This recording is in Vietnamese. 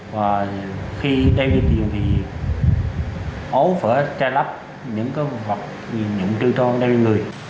và khi đeo điện tiền thì ố phở trai lắp những cơ vật những trừ trôn đeo điện người